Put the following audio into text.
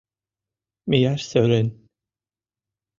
Мияш сӧрен.